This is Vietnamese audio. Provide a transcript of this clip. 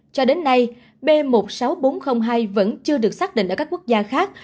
cho đến nay b một mươi sáu nghìn bốn trăm linh hai vẫn chưa được xác định ở các quốc gia khác